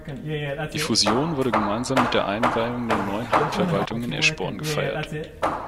Die Fusion wurde gemeinsam mit der Einweihung der neuen Hauptverwaltung in Eschborn gefeiert.